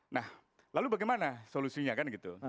nah lalu bagaimana solusinya